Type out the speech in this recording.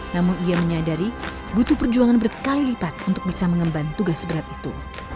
namun ia menyadari butuh perjuangan berkali lipat untuk bisa mengemban tugas berat itu